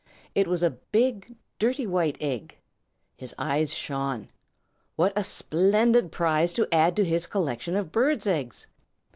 It was a big, dirty white egg. His eyes shone. What a splendid prize to add to his collection of birds' eggs!